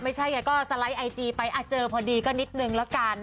ไม่ใช่ไงก็สไลด์ไอจีไปเจอพอดีก็นิดนึงละกัน